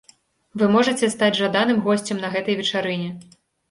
Вы можаце стаць жаданым госцем на гэтай вечарыне.